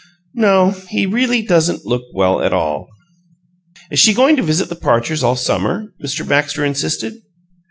"No, he really doesn't look well at all." "Is she going to visit the Parchers all summer?" Mr. Baxter insisted.